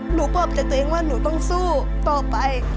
หนูบอกแต่ตัวเองว่าหนูต้องสู้ต่อไป